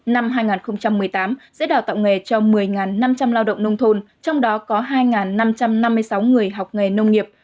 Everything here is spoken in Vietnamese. năm hai nghìn một mươi tám sẽ đào tạo nghề cho một mươi năm trăm linh lao động nông thôn trong đó có hai năm trăm năm mươi sáu người học nghề nông nghiệp